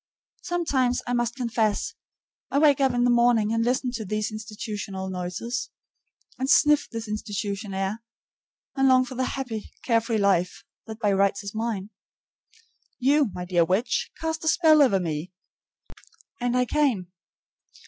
Sometimes, I must confess, I wake up in the morning and listen to these institution noises, and sniff this institution air, and long for the happy, carefree life that by rights is mine. You my dear witch, cast a spell over me, and I came.